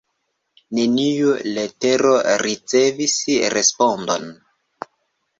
Neniu letero ricevis respondon.